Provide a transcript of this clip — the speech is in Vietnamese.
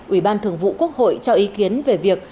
ủy ban thường vụ quốc hội cho ý kiến về việc